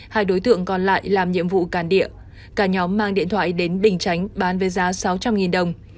hai đối tượng còn lại làm nhiệm vụ càn địa cả nhóm mang điện thoại đến bình chánh bán với giá sáu trăm linh đồng